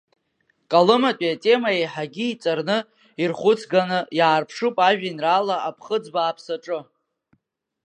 Калыматәи атема еиҳагьы иҵарны, ирхәыцганы иаарԥшуп ажәеинраала Аԥхыӡ бааԥсы аҿы.